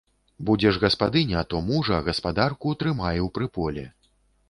Будзеш гаспадыня, то мужа, гаспадарку трымай у прыполе.